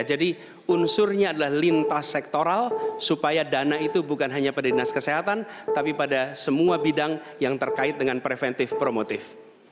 jadi unsurnya adalah lintas sektoral supaya dana itu bukan hanya pada dinas kesehatan tapi pada semua bidang yang terkait dengan preventif promotif